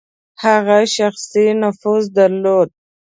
هغه شخصي نفوذ درلود.